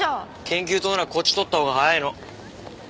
研究棟ならこっち通ったほうが早いの。